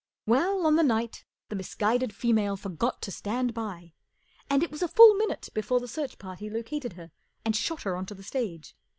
Well, on the night the misguided female forgot to stand by, and it was a full minute before the search party located her and shot her on to the stage.